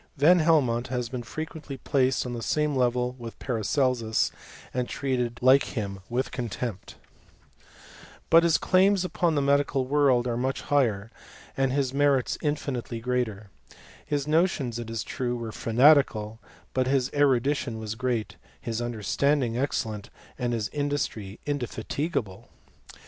Vaa . Helmoiit has been frequently placed on the same level ^ with Paracelsus, and treated like him with contemplf :fl VAK HELMOlrr AND THE lAtRO CHEMISTS. 193 Ibt Ub claims upon the medical world are much ikiglier, and his merits infinitely greater. His notions, kis truCy were fanatical ; but his erudition was great, Ul understanding excellent, and his industry indefati |tHe.